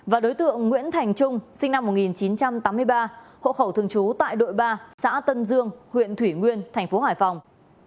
và đối tượng nguyễn thành trung sinh năm một nghìn chín trăm tám mươi ba hộ khẩu thường trú tại đội ba xã tân dương huyện thủy nguyên thành phố hải phòng